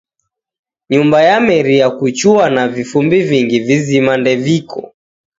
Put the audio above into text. Nyumba yameria kuchua na vifumbi vingi vizima ndeviko.